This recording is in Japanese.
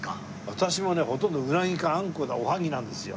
私もねほとんどうなぎかあんこおはぎなんですよ。